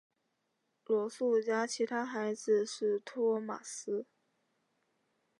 罗素家其他孩子是托马斯。